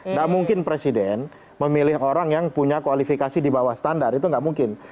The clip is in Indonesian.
nggak mungkin presiden memilih orang yang punya kualifikasi di bawah standar itu nggak mungkin